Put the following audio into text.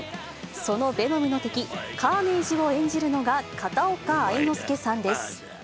そのヴェノムの敵、カーネイジを演じるのが片岡愛之助さんです。